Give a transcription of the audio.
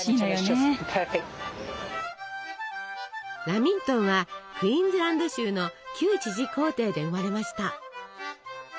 ラミントンはクイーンズランド州の旧知事公邸で生まれました。